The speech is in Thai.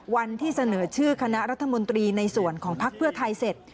วันที่เสนอชื่อคณะรัฐมนตรีในส่วนของภักดิ์เพื่อไทยเสร็จ